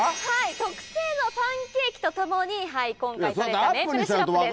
特製のパンケーキと共に今回採れたメープルシロップです。